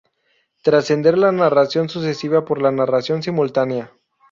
Trascender la narración sucesiva por la narración simultánea.